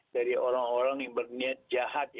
dari orang orang yang berniat jahat